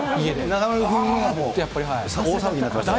中丸君がもう大騒ぎになってましたか。